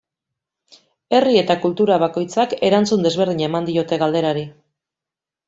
Herri eta kultura bakoitzak erantzun desberdina eman diote galderari.